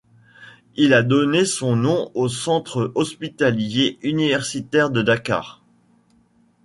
Il a donné son nom au centre hospitalier universitaire de Dakar.